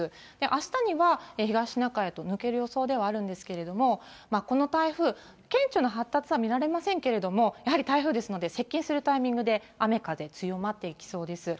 あしたには、東シナ海へと抜ける予想ではあるんですけど、この台風、顕著な発達は見られませんけれども、やはり台風ですので、接近するタイミングで雨風強まっていきそうです。